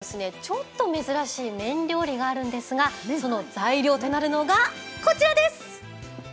こちらの大堂津港ではちょっと珍しい麺料理があるんですがその材料となるのがこちらです。